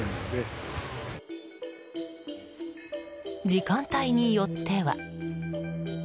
時間帯によっては。